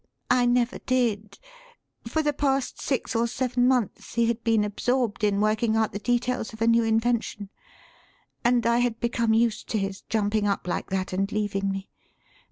I never did. For the past six or seven months he had been absorbed in working out the details of a new invention; and I had become used to his jumping up like that and leaving me.